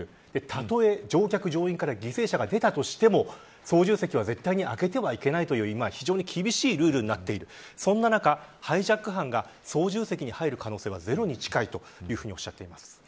たとえ乗客乗員から犠牲者が出たとしても操縦席は絶対に開けてはいけない非常に厳しいルールになっているそんな中、ハイジャック犯が操縦席に入る可能性はゼロに近いとおっしゃっています。